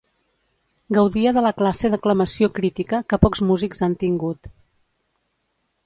Gaudia de la classe d'aclamació crítica que pocs músics han tingut.